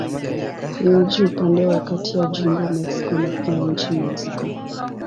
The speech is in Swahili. Ni mji upande wa kati ya jimbo Mexico na pia nchi Mexiko.